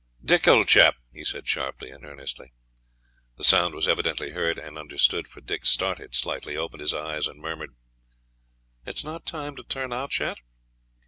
"Dick, old chap," he said sharply and earnestly. The sound was evidently heard and understood, for Dick started slightly, opened his eyes and murmured, "It's not time to turn out yet?"